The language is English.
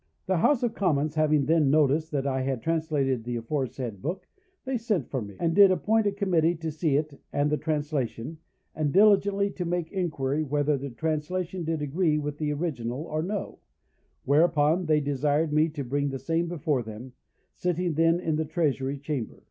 "The House of Commons having then notice that I had translated the aforesaid book, they sent for me, and did appoint a Committee to see it and the translation, and diligently to make inquiry whether the translation did agree with the original or no; whereupon they desired me to bring the same before them, sitting then in the Treasury Chamber.